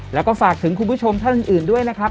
แล้วก็ฝากถึงคุณผู้ชมท่านอื่นด้วยนะครับ